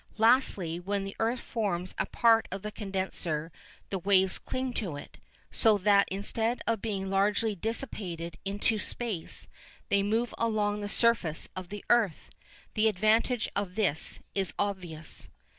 Lastly, when the earth forms a part of the condenser the waves cling to it, so that instead of being largely dissipated into space, they move along the surface of the earth. The advantage of this is obvious.